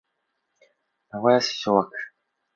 名古屋市昭和区